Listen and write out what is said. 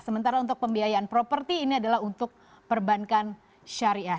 sementara untuk pembiayaan properti ini adalah untuk perbankan syariah